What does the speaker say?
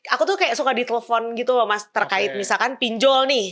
aku tuh kayak suka ditelepon gitu loh mas terkait misalkan pinjol nih